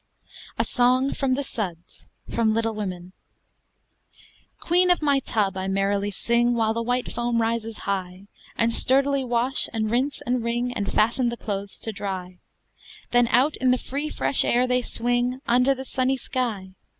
A SONG FROM THE SUDS From 'Little Women' Queen of my tub, I merrily sing, While the white foam rises high; And sturdily wash, and rinse, and wring, And fasten the clothes to dry; Then out in the free fresh air they swing, Under the sunny sky.